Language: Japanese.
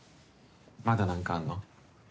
まだ何かあんの？